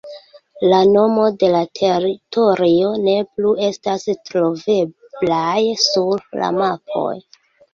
La nomo de la teritorio ne plu estas troveblaj sur la mapoj.